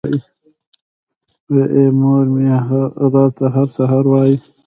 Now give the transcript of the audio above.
وې ئې مور مې راته هر سحر وائي ـ